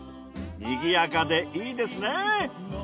賑やかでいいですね。